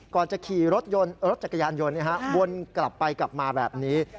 ก่อนจะขี่รถยนต์รถจักรยานยนต์วนกลับไปกลับมาแบบนี้